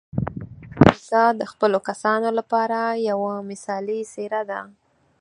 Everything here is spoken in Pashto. نیکه د خپلو کسانو لپاره یوه مثالي څېره ده.